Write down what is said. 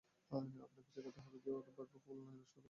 আপনাকে শেখাতে হবে ওকে যে ওর ভাগ্যে ফুল নয় আছে শুধু কাঁটা।